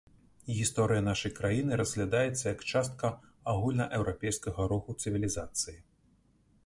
Гісторыя нашай краіны разглядаецца як частка агульнаеўрапейскага руху цывілізацыі.